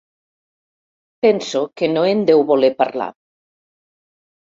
Penso que no en deu voler parlar.